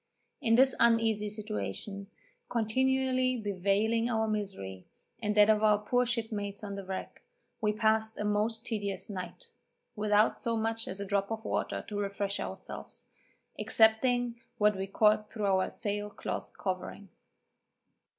In this uneasy situation, continually bewailing our misery, and that of our poor shipmates on the wreck, we passed a most tedious night, without so much as a drop of water to refresh ourselves, excepting what we caught through our sail cloth covering.